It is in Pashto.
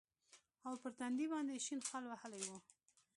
او پر تندي باندې يې شين خال وهلى و.